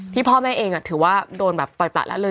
พ่อแม่เองถือว่าโดนแบบปล่อยประละเลย